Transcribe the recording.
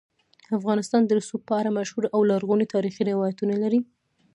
افغانستان د رسوب په اړه مشهور او لرغوني تاریخی روایتونه لري.